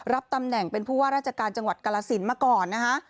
รับตำแหน่งเป็นผู้ว่าราชการจังหวัดกรสินมาก่อนนะคะ